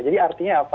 jadi artinya apa